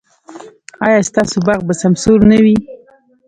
ایا ستاسو باغ به سمسور نه وي؟